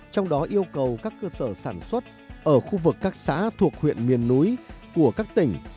trong đó yêu cầu các cơ sở sản xuất ở khu vực các xã thuộc huyện miền núi của các tỉnh